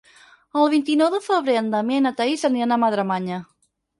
El vint-i-nou de febrer en Damià i na Thaís aniran a Madremanya.